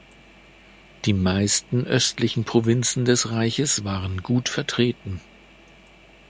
Die meisten östlichen Provinzen des Reichs waren gut vertreten.